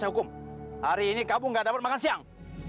hari ini kamu nggak dapat makan siang